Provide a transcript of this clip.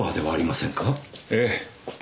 ええ。